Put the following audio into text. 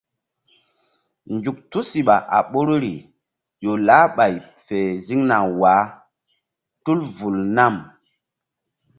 Nzuk tusiɓa a ɓoruri ƴo lah ɓay fe ziŋna wah tul vul nam.